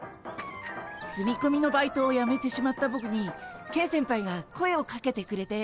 住みこみのバイトをやめてしまったボクにケン先輩が声をかけてくれて。